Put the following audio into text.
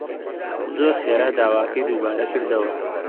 زۆر خێرا داواکەی دووبارە کردەوە